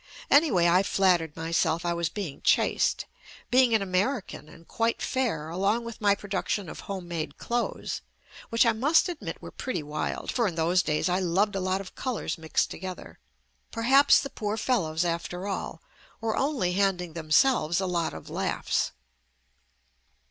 Anyway I flattered myself I was being chased. Being an American and quite fair along with my production of home made clothes (which I must admit were pretty wild, for in those days I loved a lot of colours mixed together) perhaps the poor fellows, after all, were only handing themselves a lot of laughs.